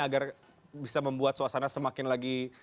agar bisa membuat suasana semakin lagi